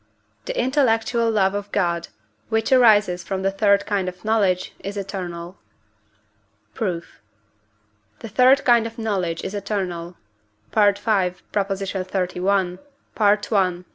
The intellectual love of God, which arises from the third kind of knowledge, is eternal. Proof. The third kind of knowledge is eternal (V. xxxi. I. Ax. iii.)